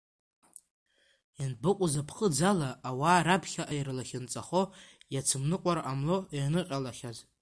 Ианбыкәыз аԥхыӡ ала ауаа раԥхьаҟа ирлахьынҵахо иацымныҟәар ҟамло ианыҟалахьаз!